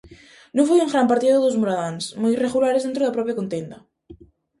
Non foi un gran partido dos muradáns, moi irregulares dentro da propia contenda.